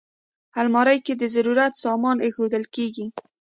الماري کې د ضرورت سامان ایښودل کېږي